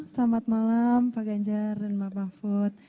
selamat malam pak ganjar dan pak mahfud